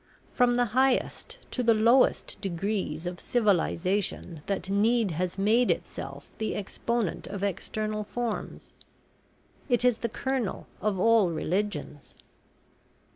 From the highest to the lowest degrees of civilisation that need has made itself the exponent of external forms. It is the kernel of all religions."